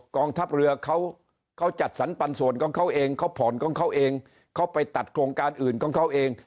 กองทัพเรือเขาจัดสรรปันส่วนของเขาเองเขาผ่อนของเขาเองเขาไปตัดโครงการอื่นของเขาเอง